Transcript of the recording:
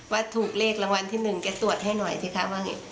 ว่าถูกเลขรางวัลที่๑แกตรวจให้หน่อยสิคะว่าไง